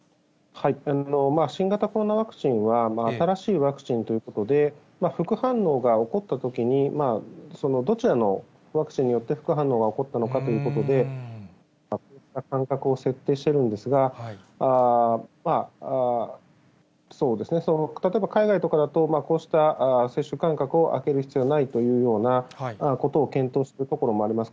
新型コロナワクチンは新しいワクチンということで、副反応が起こったときに、どちらのワクチンによって副反応が起こったのかということで、間隔を設定してるんですが、例えば海外とかだと、こうした接種間隔を空ける必要はないというようなことを検討するところもあります。